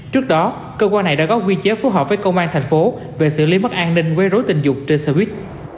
trước đó cơ quan này đã có quy chế phối hợp với công an thành phố về xử lý mất an ninh quấy rối tình dục trên xe buýt